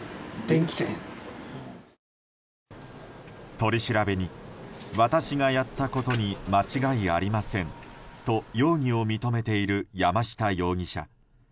取り調べに、私がやったことに間違いありませんと容疑を認めている山下容疑者。